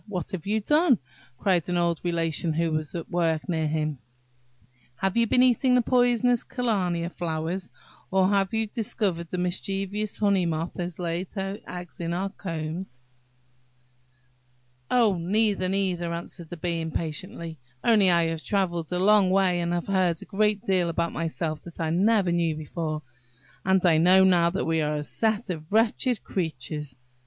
what have you done?" cried an old Relation who was at work near him; "have you been eating the poisonous kalmia flowers, or have you discovered that the mischievous honey moth has laid her eggs in our combs?" "Oh, neither, neither!" answered the Bee, impatiently; "only I have travelled a long way, and have heard a great deal about myself that I never knew before, and I know now that we are a set of wretched creatures!"